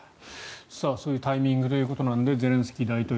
そういうタイミングということなんですがゼレンスキー大統領